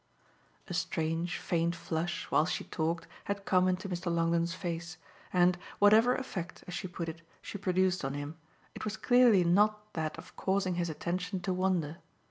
A strange faint flush, while she talked, had come into Mr. Longdon's face, and, whatever effect, as she put it, she produced on him, it was clearly not that of causing his attention to wander.